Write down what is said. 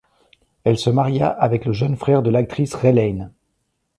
Elle se maria avec le jeune frère de l'actrice Raylene.